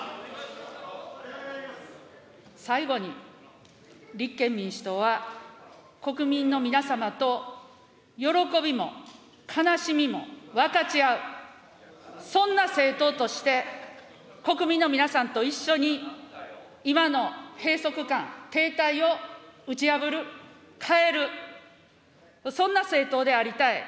最後に、立憲民主党は国民の皆様と喜びも悲しみも分かち合う、そんな政党として、国民の皆さんと一緒に今の閉塞感、停滞を打ち破る、変える、そんな政党でありたい。